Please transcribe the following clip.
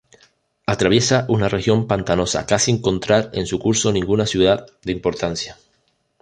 Atraviesa una región pantanosa casi encontrar en su curso ninguna ciudad de importancia.